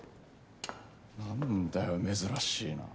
何だよ珍しいな。